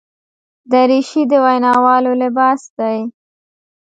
دریشي د ویناوالو لباس دی.